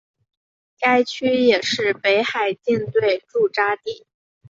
该区也是北海舰队驻扎地。